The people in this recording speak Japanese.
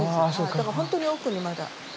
だからほんとに奥にまだ。